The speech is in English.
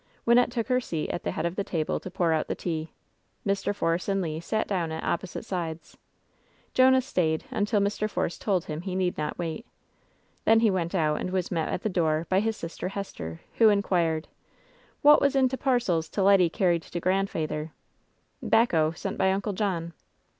Wynnette took her seat at the head of the table to pour out the tea. Mr. Force and Le sat down at opposite sides. Jonah stayed until Mr. Force told him he need not wait. Then he went out, and was met at the door by his sister Hester, who inquired : "Wot was in t' parcels t' leddy carried to grandfey therr " 'Bacco, sent by Uncle John."